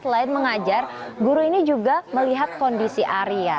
selain mengajar guru ini juga melihat kondisi arya